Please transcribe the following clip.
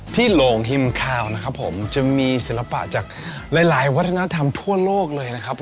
ที่โหลงหิมคาวจะมีศิลปะจากหลายวัฒนธรรมทั่วโลกเลยนะครับ